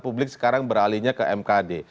publik sekarang beralihnya ke mkd